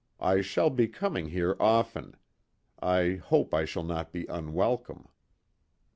I shall be coming here often. I hope I shall not be unwelcome."